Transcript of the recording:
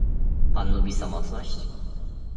"Pan lubi samotność?"